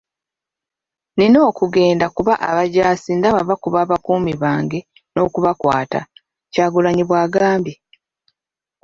Nina okugenda kuba abajaasi ndaba bakuba abakuumi bange n'okubakwata.” Kyagulanyi bw'agambye.